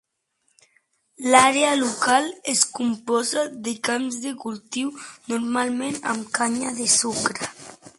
L"àrea local es composa de camps de cultiu, normalment amb canya de sucre.